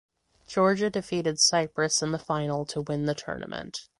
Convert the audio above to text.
Georgia defeated Cyprus in the final to win the tournament.